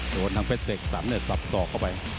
โดนทางเพชรเสกสรรสับสอกเข้าไป